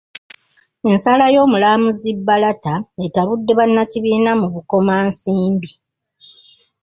Ensala y'omulamuzi Barata etabudde bannakibiina mu Bukomansimbi